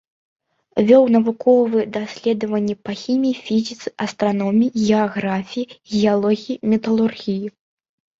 Вёў навуковыя даследаванні па хіміі, фізіцы, астраноміі, геаграфіі, геалогіі, металургіі.